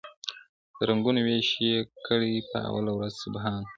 د رنګونو وېش یې کړی په اوله ورځ سبحان -